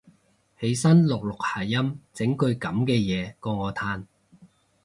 起身錄錄下音整句噉嘅嘢過我嘆